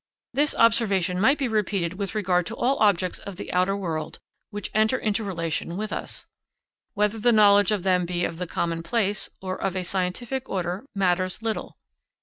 This observation might be repeated with regard to all objects of the outer world which enter into relation with us. Whether the knowledge of them be of the common place or of a scientific order matters little.